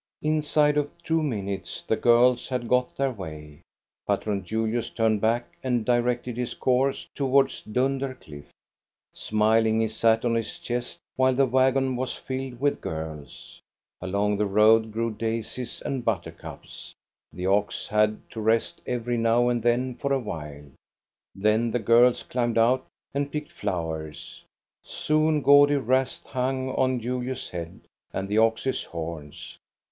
Inside of two minutes the girls had got their way. Patron Julius turned back and directed his course towards Dunder Cliff. 326 THE STORY OF GOSTA BERLING Smiling, he sat on his chest, while the wagon was 511ed with girls. Along the road grew daisies and buttercups. The ox had to rest every now and then for a while. Then the girls climbed out and picked flowers. Soon gaudy wreaths hung on Julius' head and the ox's horns.